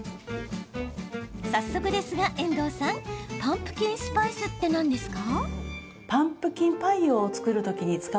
早速ですが、遠藤さんパンプキンスパイスって何ですか？